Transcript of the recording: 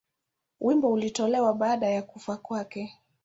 Wimbo ulitolewa baada ya kufa kwake.